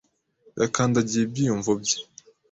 Yakandagiye ibyiyumvo bye.